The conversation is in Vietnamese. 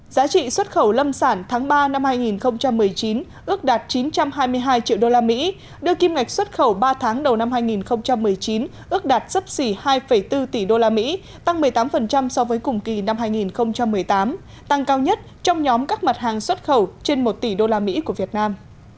giá trị xuất khẩu lâm sản tháng ba năm hai nghìn một mươi chín ước đạt chín trăm hai mươi hai triệu đô la mỹ đưa kim ngạch xuất khẩu ba tháng đầu năm hai nghìn một mươi chín ước đạt sấp xỉ hai bốn tỷ đô la mỹ tăng một mươi tám so với cùng kỳ năm hai nghìn một mươi tám tăng cao nhất trong nhóm các mặt hàng xuất khẩu trên một tỷ đô la mỹ của việt nam